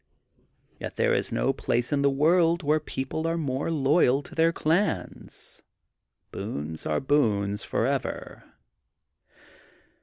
* Yet there is no place in the world where people are more loyal to their clans. Boones are Boones for ever.